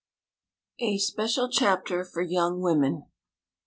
A SPECIAL CHAPTER FOR YOUNG WOMEN.